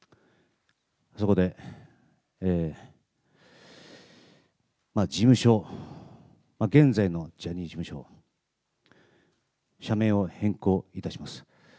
そこで、事務所、現在のジャニーズ事務所、社名を変更いたします。